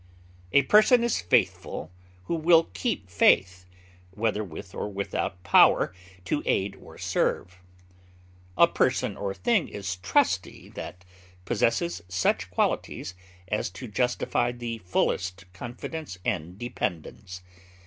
A person is faithful who will keep faith, whether with or without power to aid or serve; a person or thing is trusty that possesses such qualities as to justify the fullest confidence and dependence.